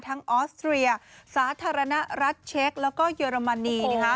ออสเตรียสาธารณรัฐเช็คแล้วก็เยอรมนี